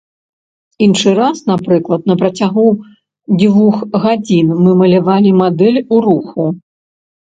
Іншы раз, напрыклад, на працягу дзвух гадзін мы малявалі мадэль у руху.